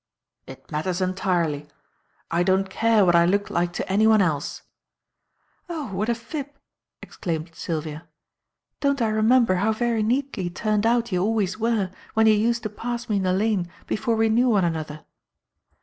"It matters entirely. I don't care what I look like to anyone else." "Oh! what a fib!" exclaimed Sylvia. "Don't I remember how very neatly turned out you always were when you used to pass me in the lane before we knew one another?"